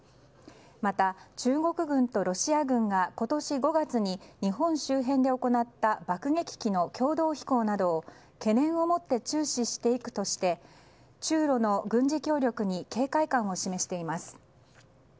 また、中国軍とロシア軍が今年５月に日本周辺で行った爆撃機の共同飛行などを懸念を持って注視していくとして中露の軍事協力に警戒感を示しています。